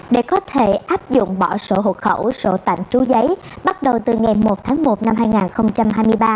để có thể áp dụng bỏ sổ hộ khẩu sổ tạm trú giấy bắt đầu từ ngày một tháng một năm hai nghìn hai mươi ba